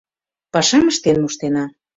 Пашам ыштен моштена;